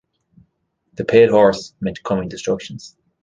The pale horse meant coming destructions.